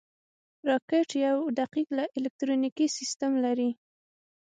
راکټ یو دقیق الکترونیکي سیستم لري